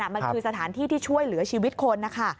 มันคือสถานที่ที่ช่วยเหลือชีวิตคนนะคะ